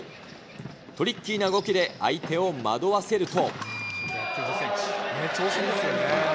トリッキーな動きで相手を惑わせると。